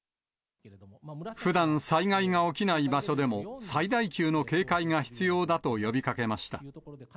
ふだん災害が起きない場所でも、最大級の警戒が必要だと呼びかけました。